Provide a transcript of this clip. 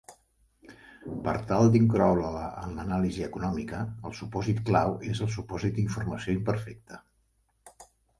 Per tal d'incloure-la en l'anàlisi econòmica, el supòsit clau és el supòsit d’informació imperfecta.